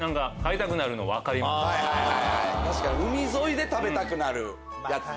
確かに海沿いで食べたくなるやつ。